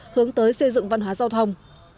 hướng tới xây dựng văn hóa giao thông